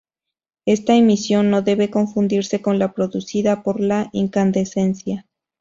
Esta emisión no debe confundirse con la producida por la incandescencia.